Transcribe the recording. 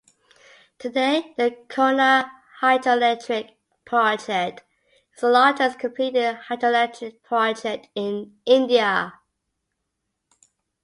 Today the Koyna Hydroelectric Project is the largest completed hydroelectric project in India.